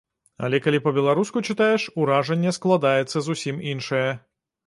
Але калі па-беларуску чытаеш, уражанне складаецца зусім іншае!